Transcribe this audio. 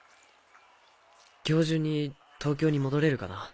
今日中に東京に戻れるかな？